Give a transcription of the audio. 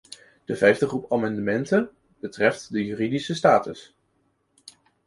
De vijfde groep amendementen betreft de juridische status.